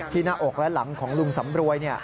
หน้าอกและหลังของลุงสำรวย